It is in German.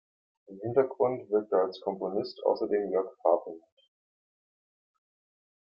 Im Hintergrund wirkte als Komponist außerdem Jörg Pape mit.